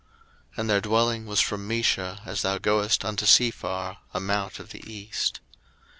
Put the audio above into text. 01:010:030 And their dwelling was from Mesha, as thou goest unto Sephar a mount of the east.